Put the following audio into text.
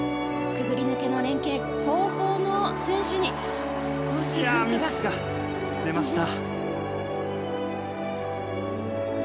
くぐり抜けの連係後方の選手にミスが出ました。